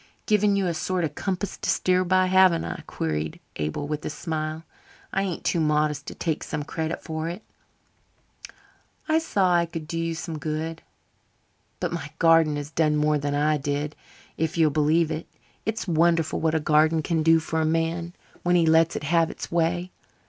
"Given you a sort of compass to steer by, haven't I?" queried Abel with a smile. "I ain't too modest to take some credit for it. I saw I could do you some good. But my garden has done more than I did, if you'll believe it. It's wonderful what a garden can do for a man when he lets it have its way.